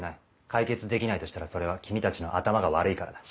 解決できないとしたらそれは君たちの頭が悪いからだ。